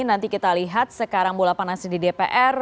nanti kita lihat sekarang bola panas di dpr